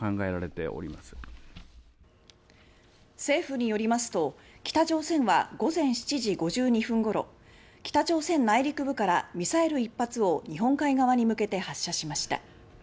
政府によりますと北朝鮮は午前７時５２分頃北朝鮮内陸部からミサイル１発を日本海側に向けて発射しました。